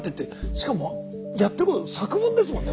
しかもやってること作文ですもんね。